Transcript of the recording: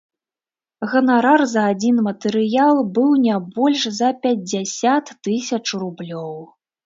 Ганарар за адзін матэрыял быў не больш за пяцьдзясят тысяч рублёў.